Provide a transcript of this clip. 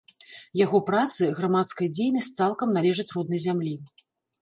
Яго працы, грамадская дзейнасць цалкам належаць роднай зямлі.